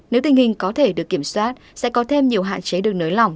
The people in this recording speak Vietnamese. nếu tình hình có thể được kiểm soát sẽ có thêm nhiều hạn chế được nới lỏng